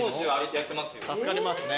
助かりますね。